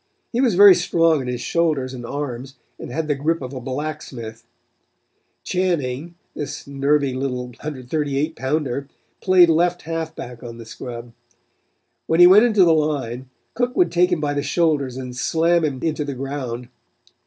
He was very strong in his shoulders and arms and had the grip of a blacksmith. Channing, this nervy little 138 pounder, played left halfback on the scrub. When he went into the line, Cook would take him by the shoulders and slam him into the ground.